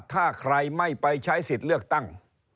ถ้าใครไม่ไปใช้สิทธิ์เลือกตั้ง